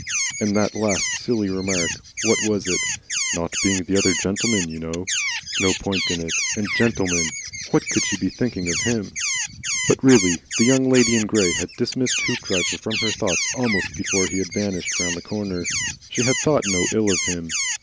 And that last silly remark. What was it? 'Not being the other gentleman, you know!' No point in it. And 'GENTLEMAN!' What COULD she be thinking of him? But really the Young Lady in Grey had dismissed Hoopdriver from her thoughts almost before he had vanished round the corner. She had thought no ill of him.